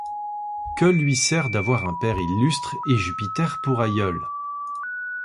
Que lui sert d’avoir un père illustre et Jupiter pour aïeul ?